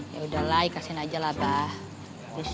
yaudahlah ikasin aja lah abah